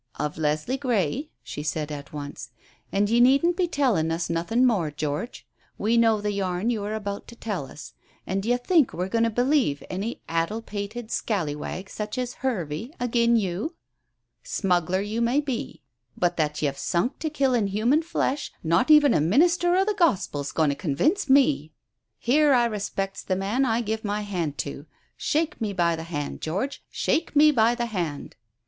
"Of Leslie Grey," she said at once. "And ye needn't to tell us nothin' more, George. We know the yarn you are about to tell us. An' d'ye think we're goin' to believe any addle pated scalliwag such as my Hervey, agin' you? Smuggler you may be, but that you've sunk to killin' human flesh not even a minister o' the Gospel's goin' to convince me. Here, I respects the man I give my hand to. Shake me by the hand, George shake me by the hand."